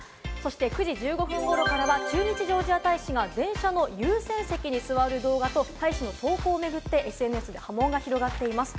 ９時１５分ごろからは駐日ジョージア大使が電車の優先席に座る動画と大使の投稿を巡ってＳＮＳで波紋が広がっています。